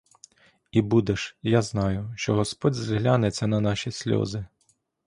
І будеш — я знаю, що господь зглянеться на наші сльози!